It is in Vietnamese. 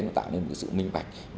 nó tạo nên một sự minh bạch